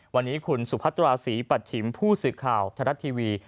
วันนี้คุณสุพรัตราศีปัจฉีมภูษาค่าวทรัศน์ทีวี